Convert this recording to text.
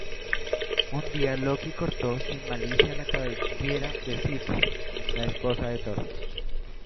Un día Loki cortó sin malicia las cabelleras de Sif, la esposa de Thor.